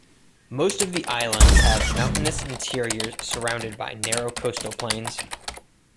Most of the islands have mountainous interiors surrounded by narrow coastal plains.